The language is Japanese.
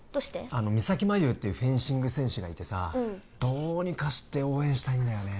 あの三咲麻有っていうフェンシング選手がいてさどうにかして応援したいんだよね